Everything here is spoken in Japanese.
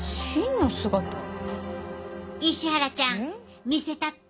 石原ちゃん見せたって！